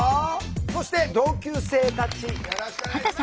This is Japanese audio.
そして同級生たちよろしくお願いします。